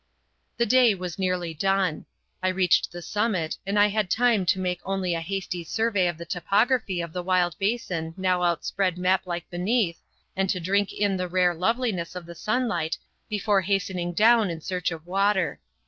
The day was nearly done. I reached the summit and I had time to make only a hasty survey of the topography of the wild basin now outspread maplike beneath, and to drink in the rare loveliness of the sunlight before hastening down in search of water.